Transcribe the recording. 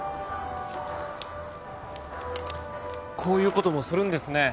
こういうこともするんですね